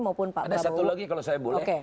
maupun pak brawo ada satu lagi kalau saya boleh